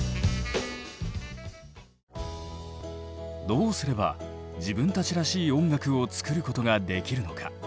どうすれば自分たちらしい音楽を作ることができるのか？